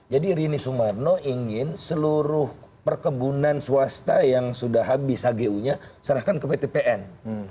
jadi rini sumarno ingin seluruh perkebunan swasta yang sudah habis hgu nya serahkan ke ptpn